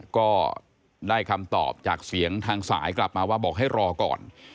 ก็ได้คำตอบจากเสียงทางสายกลับมาว่าบอกให้รอก่อน